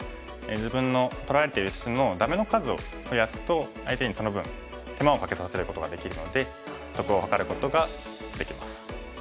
自分の取られてる石のダメの数を増やすと相手にその分手間をかけさせることができるので得を図ることができます。